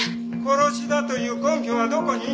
殺しだという根拠はどこに？